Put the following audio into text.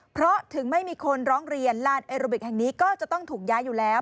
เพราะถึงไม่มีคนร้องเรียนลานเอโรบิกแห่งนี้ก็จะต้องถูกย้ายอยู่แล้ว